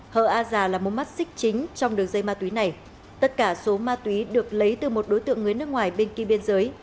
hờ a già là một mắt xích chính trong đường dây ma túy này tất cả số ma túy được lấy từ một đối tượng người nước ngoài bên kia biên giới